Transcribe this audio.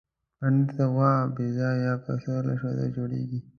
پنېر د غوا، بزه یا پسې له شیدو جوړېږي.